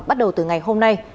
bắt đầu từ ngày hôm nay